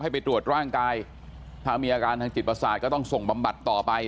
ไปตรวจร่างกายถ้ามีอาการทางจิตประสาทก็ต้องส่งบำบัดต่อไป